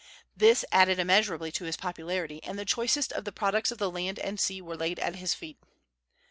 This added immeasurably to his popularity, and the choicest of the products of land and sea were laid at his feet.